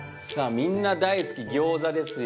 みんな大好きギョーザですよ。